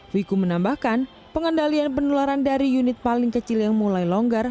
wiku menambahkan pengendalian penularan dari unit paling kecil yang mulai longgar